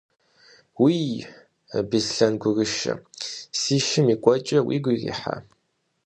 Уий, Беслъэн гурышэ, си шым и кӀуэкӀэр уигу ирихьа?